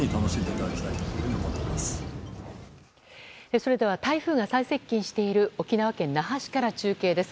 それでは台風が最接近している沖縄県那覇市から中継です。